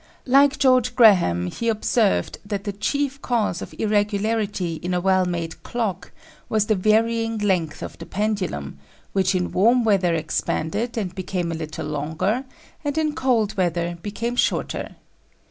Like George Graham, he observed that the chief cause of irregularity in a well made clock was the varying length of the pendulum, which in warm weather expanded and became a little longer, and in cold weather became shorter.